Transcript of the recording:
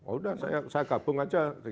oh udah saya gabung aja